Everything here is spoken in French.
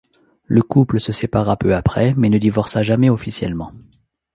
Le couple se sépara peu après mais ne divorça jamais officiellement.